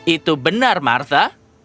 itu benar martha